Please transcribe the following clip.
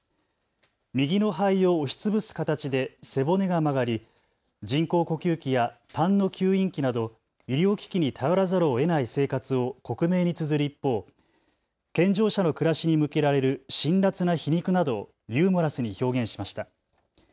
右の肺を押しつぶす形で背骨が曲がり、人工呼吸器やたんの吸引器など医療機器に頼らざるをえない生活を克明につづる一方、健常者の暮らしに向けられる辛辣な皮肉などをユーモラスに表現しました。